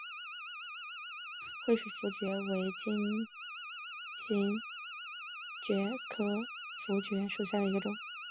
惠水茯蕨为金星蕨科茯蕨属下的一个种。